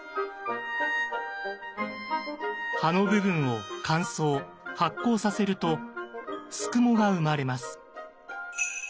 葉の部分を乾燥発酵させると「すくも」が生まれます。